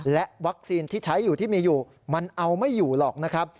และวัคซีนที่ใช้อยู่ที่มีอยู่มันเอาไม่อยู่หรอกนะครับ